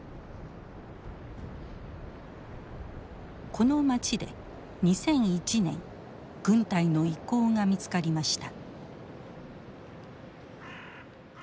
この街で２００１年軍隊の遺構が見つかりました。